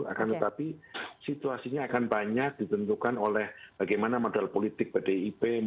akan tetapi situasinya akan banyak ditentukan oleh bagaimana modal politik pdip